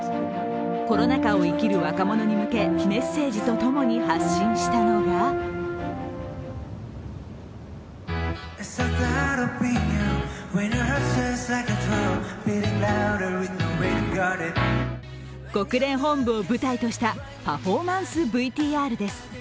コロナ禍を生きる若者に向け、メッセージとともに発信したのが国連本部を舞台としたパフォーマンスＶＴＲです。